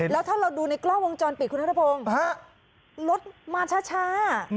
แล้วถ้าเราดูในกล้องวงจรปิดคุณนัทพงศ์รถมาช้า